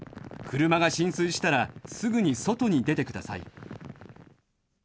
車が浸水したらすぐに外に出てください。